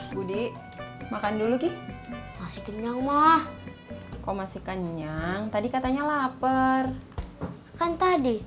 budi makan dulu ki masuk kenyang mah kok masih kenyang tadi katanya lapar kan tadi